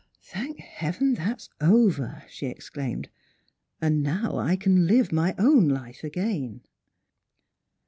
" Thank heaven that's over! " she exclaimed ;" and now I can live my own life again."